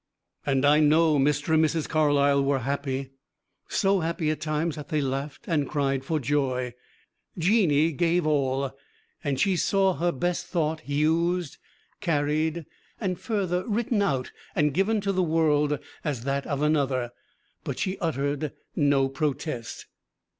And I know Mr. and Mrs. Carlyle were happy, so happy, at times, that they laughed and cried for joy. Jeannie gave all, and she saw her best thought used carried further, written out and given to the world as that of another but she uttered no protest.